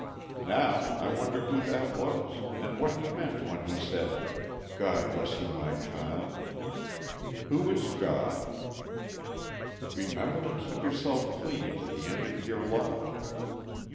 Now I wonder who that was, and what he meant when he said, 'God bless you, my child'? Who is God? 'Remember to keep yourself clean to the end of your life.